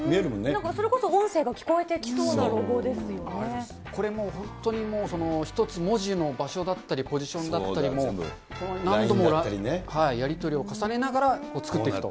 なんかそれこそ音声が聞こえこれもう、本当にもう、一つ、文字の場所だったり、ポジションだったりも、何度もやり取りを重ねながら、作っていくと。